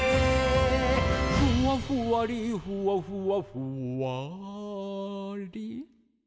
「ふわふわりふわふわふわり」